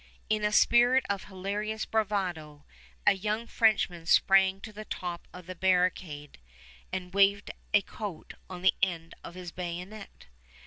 In a spirit of hilarious bravado a young Frenchman sprang to the top of the barricade and waved a coat on the end of his bayonet.